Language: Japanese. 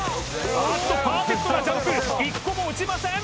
あっとパーフェクトなジャンプ１個も落ちません